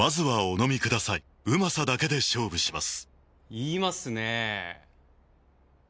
言いますねぇ。